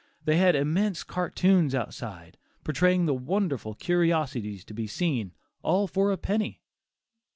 They had immense cartoons outside, portraying the wonderful curiosities to be seen "all for a penny."